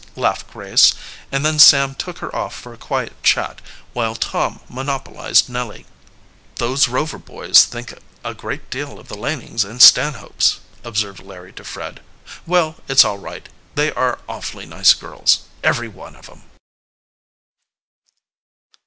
laughed Grace, and then Sam took her off for a quiet chat, while Tom, monopolized Nellie. "Those Rover boys think a great deal of the Lanings and Stanhopes," observed Larry to Fred. "Well, it's all right they are awfully nice girls, every one of 'em!"